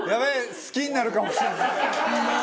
好きになるかもしれない。